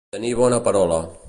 Tenir bona parola.